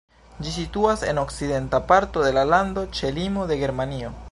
Ĝi situas en okcidenta parto de la lando ĉe limo de Germanio.